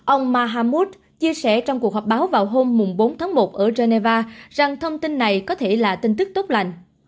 ông mahammud chia sẻ trong cuộc họp báo vào hôm bốn tháng một ở geneva rằng thông tin này có thể là tin tức tốt lành